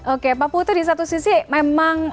oke pak putri di satu sisi memang